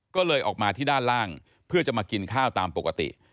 ก็เลยออกมาที่ด้านล่างเพื่อจะมากินข้าวตามปกติ